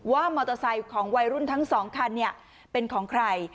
ว่ามอเตอร์ไซค์ของวัยรุ่นทั้งสองคันเป็นของใคร